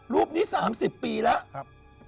รูปนี้๓๐ปีละ